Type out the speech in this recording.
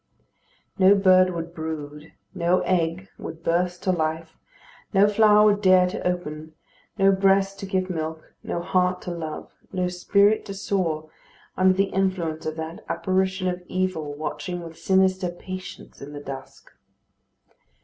No bird would brood, no egg would burst to life, no flower would dare to open, no breast to give milk, no heart to love, no spirit to soar, under the influence of that apparition of evil watching with sinister patience in the dusk.